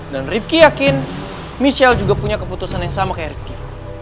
dan rifki yakin michelle juga punya keputusan yang sama kayak rifki